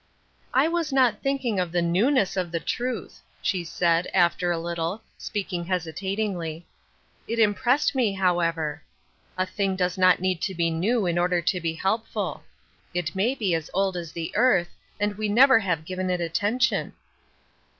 "I was not thinking of the newness of the truth," she said, after a little, speaking hesitat ingly. " It impressed me, however. A thing does not need to be new in order to be helpful ; it may be as old as the earth, and we never have given it attention."